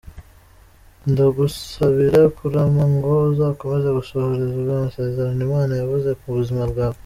Ndagusabira kurama ngo uzakomeze gusohorezwa amasezerano Imana yavuze ku buzima bwawe.